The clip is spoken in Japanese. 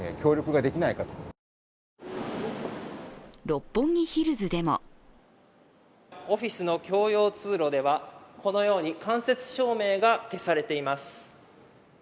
六本木ヒルズでもオフィスの共用通路ではこのように間接照明が消されています。